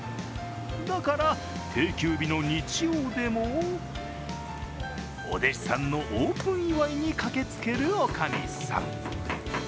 だから定休日の日曜でもお弟子さんのオープン祝いに駆けつけるおかみさん。